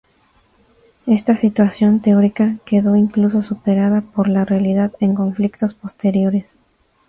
Esta situación teórica, quedó incluso superada por la realidad en conflictos posteriores.